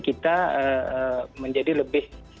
kita menjadi lebih